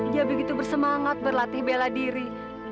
dia begitu bersemangat berlatih bela diri